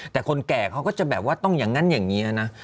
แต่คนแก่เขาก็จะแบบว่าต้องอย่างนั้นอย่างนี้นะ